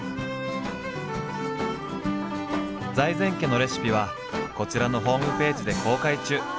財前家のレシピはこちらのホームページで公開中。